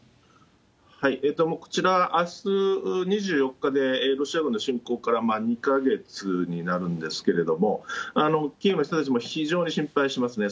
もうこちら、あす２４日でロシア軍の侵攻から２か月になるんですけれども、キーウの人たちも非常に心配してますね。